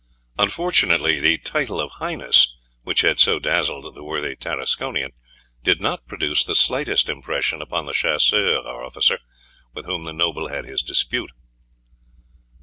Unfortunately the title of Highness, which had so dazzled the worthy Tarasconian, did not produce the slightest impression upon the Chasseurs officer with whom the noble had his dispute.